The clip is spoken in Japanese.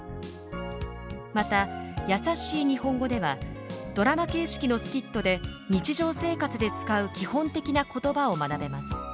また、「やさしい日本語」ではドラマ形式のスキットで日常生活で使う基本的な言葉を学べます。